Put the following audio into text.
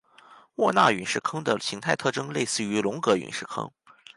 沃纳陨石坑的形态特征类似于龙格陨石坑。